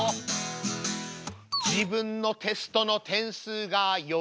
「自分のテストの点数がよいと」